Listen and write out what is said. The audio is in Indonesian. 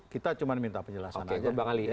kita cuma minta penjelasan aja